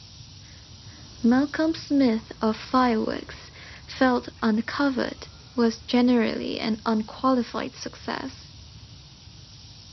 Malcolm Smith of "Fireworks" felt "Uncovered" was "generally an unqualified success".